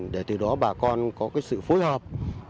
để từ đó bà con có cái sự phối hợp